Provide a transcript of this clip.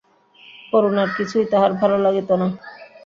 করুণার কিছুই তাহার ভালো লাগিত না।